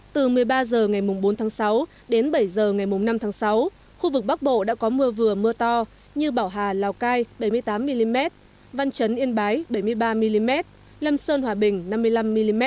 từ một mươi ba h ngày bốn tháng sáu đến bảy h ngày năm tháng sáu khu vực bắc bộ đã có mưa vừa mưa to như bảo hà lào cai bảy mươi tám mm văn trấn yên bái bảy mươi ba mm lâm sơn hòa bình năm mươi năm mm